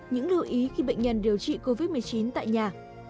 những lưu ý khi bệnh nhân điều trị covid một mươi chín tại nhà